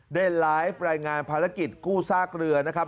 ได้ไลฟ์รายงานภารกิจกู้ซากเรือนะครับ